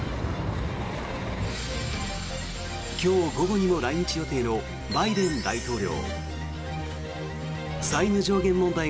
今日午後にも来日予定のバイデン大統領。